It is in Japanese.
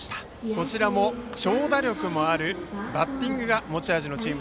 こちらも長打力のあるバッティングが持ち味のチーム。